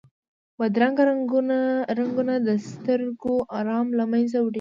بدرنګه رنګونه د سترګو آرام له منځه وړي